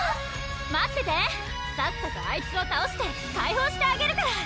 待っててさっさとあいつをたおして解放してあげるから！